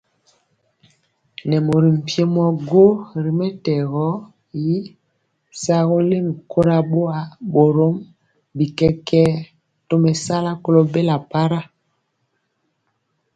Nɛ mori mpiemɔ gɔ ri mɛtɛgɔ y sagɔ lɛmi kora boa, borom bi kɛkɛɛ tomesala kolo bela para.